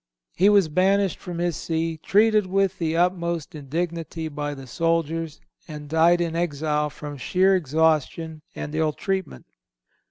He was banished from his See, treated with the utmost indignity by the soldiers, and died in exile from sheer exhaustion and ill treatment.